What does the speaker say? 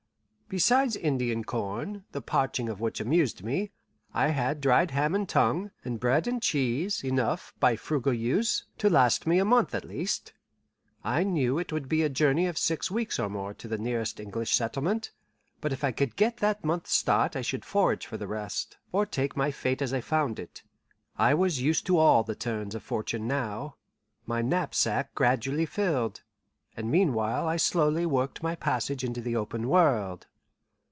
Besides Indian corn, the parching of which amused me, I had dried ham and tongue, and bread and cheese, enough, by frugal use, to last me a month at least. I knew it would be a journey of six weeks or more to the nearest English settlement, but if I could get that month's start I should forage for the rest, or take my fate as I found it: I was used to all the turns of fortune now. My knapsack gradually filled, and meanwhile I slowly worked my passage into the open world.